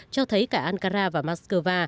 cho thấy cả ankara và moscow